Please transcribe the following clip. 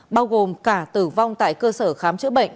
bao gồm cả tử vong tại cơ sở y tế